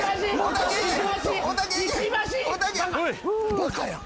バカやん。